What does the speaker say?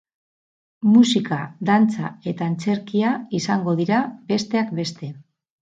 Musika, dantza eta antzerkia izango dira, besteak beste.